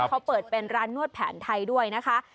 เขาเปิดเป็นร้านนวดแผนไทยด้วยนะคะ